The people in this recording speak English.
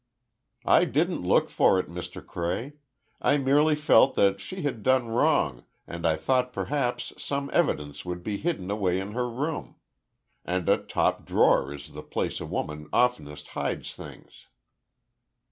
"I didn't look for it, Mr. Cray. I merely felt that she had done wrong and I thought perhaps some evidence would be hidden away in her room. And a top drawer is the place a woman oftenest hides things."